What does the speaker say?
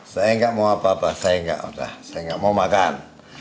saya enggak mau apa apa saya enggak mau makan